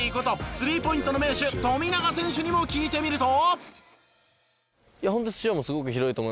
スリーポイントの名手富永選手にも聞いてみると。